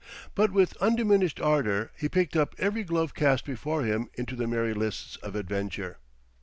But with undiminished ardour he picked up every glove cast before him into the merry lists of adventure.